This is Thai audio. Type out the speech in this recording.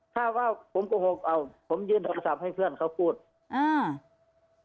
ถ้าว่าผมโกหกเอาผมยื่นโทรศัพท์ให้เพื่อนเขาพูดอ่า